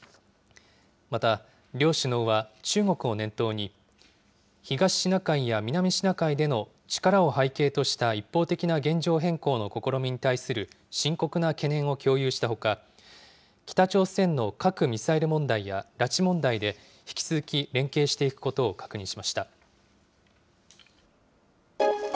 また、両首脳は中国を念頭に、東シナ海や南シナ海での力を背景とした一方的な現状変更の試みに対する深刻な懸念を共有したほか、北朝鮮の核・ミサイル問題や拉致問題で、引き続き連携していくことを確認しました。